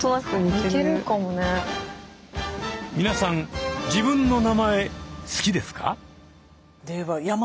皆さん自分の名前好きですか？